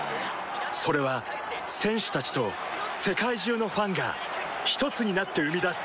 それは選手たちと世界中のファンがひとつになって生み出す